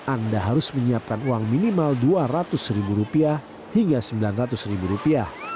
anda harus menyiapkan uang minimal dua ratus ribu rupiah hingga sembilan ratus ribu rupiah